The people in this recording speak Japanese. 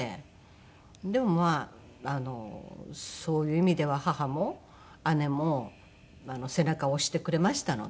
でもまあそういう意味では母も姉も背中を押してくれましたので。